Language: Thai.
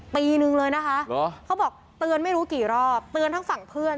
ปีนึงเลยนะคะเขาบอกเตือนไม่รู้กี่รอบเตือนทั้งฝั่งเพื่อน